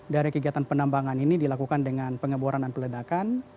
dari kegiatan penambangan ini dilakukan dengan pengeboran dan peledakan